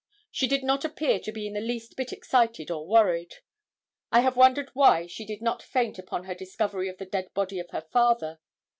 She did not appear to be in the least bit excited or worried. I have wondered why she did not faint upon her discovery of the dead body of her father.